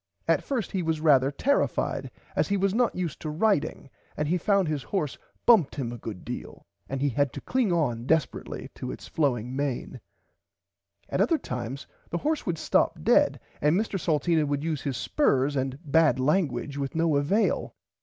At first he was rarther terrified as he was not used to riding and he found his horse bumped him a good deal and he had to cling on desperatly to its flowing main. At other times the horse would stop dead and Mr Salteena would use his spurs and bad languige with no avail.